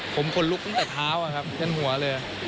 ผมขนลุกตั้งแต่เท้าครับจนหัวเลย